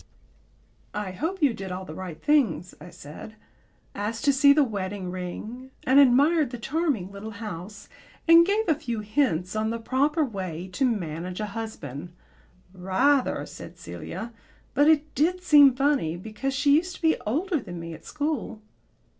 "I hope you did all the right things," I said. "Asked to see the wedding ring, and admired the charming little house, and gave a few hints on the proper way to manage a husband." "Rather," said Celia. "But it did seem funny, because she used to be older than me at school."